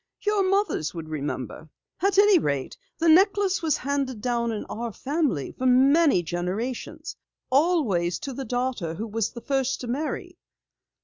"Your mothers would remember. At any rate, the necklace was handed down in our family for many generations, always to the daughter who was the first to marry.